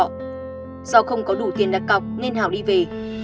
do không có đủ tiền đặt cọc nên hảo đi về